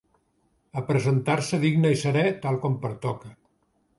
A presentar-se digne i serè, tal com pertoca